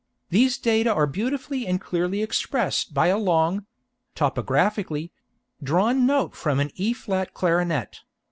These data are beautifully and clearly expressed by a long (topographically) drawn note from an E flat clarionet.